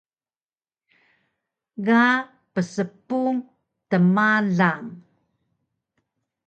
Ga pspung tmalang